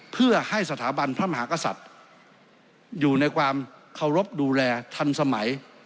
เพื่อให้สถาบันพระมหากษัตริย์อยู่ในความเคารพดูแลทันสมัย